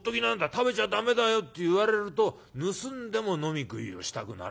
食べちゃ駄目だよ』って言われると盗んでも飲み食いをしたくなるんだ。